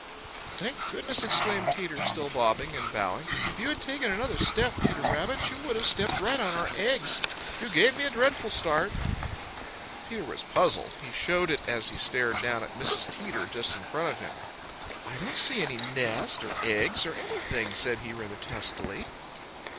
"Thank goodness!" exclaimed Teeter, still bobbing and bowing. "If you had taken another step, Peter Rabbit, you would have stepped right on our eggs. You gave me a dreadful start." Peter was puzzled. He showed it as he stared down at Mrs. Teeter just in front of him. "I don't see any nest or eggs or anything," said he rather testily.